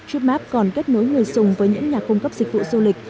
tripmap còn kết nối người dùng với những nhà cung cấp dịch vụ du lịch